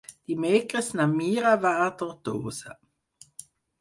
Dimecres na Mira va a Tortosa.